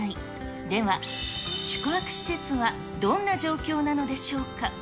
では、宿泊施設はどんな状況なのでしょうか。